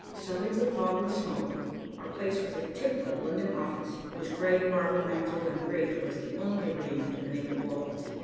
Sullied with fog and smoke, our place was a typical London office, whose gray marble mantel and grate was the only relief to the naked walls.